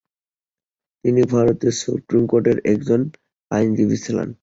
তিনি ভারতের সুপ্রিম কোর্টের একজন আইনজীবীও ছিলেন।